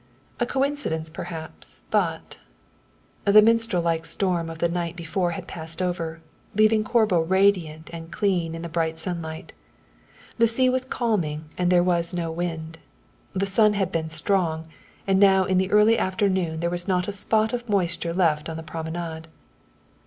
A coincidence perhaps, but The mistral like storm of the night before had passed over, leaving Corbo radiant and clean in the bright sunlight. The sea was calming and there was no wind. The sun had been strong, and now in the early afternoon there was not a spot of moisture left on the promenade.